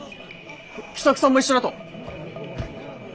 喜作さんも一緒だと。